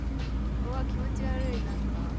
うわっ気持ち悪い何か。